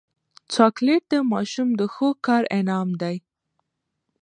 چاکلېټ د ماشوم د ښو کار انعام دی.